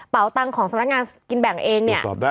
เป่าตังค์ของสำนักงานกินแบ่งเอง